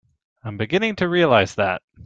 I'm beginning to realize that.